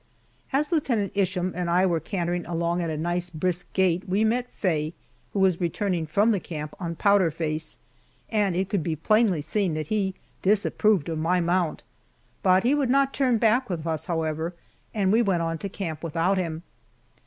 As Lieutenant Isham and I were cantering along at a nice brisk gait we met Faye, who was returning from the camp on Powder Face, and it could be plainly seen that he disapproved of my mount. But he would not turn back with us, however, and we went on to camp without him.